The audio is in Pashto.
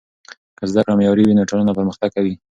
که زده کړه معیاري وي نو ټولنه پرمختګ کوي.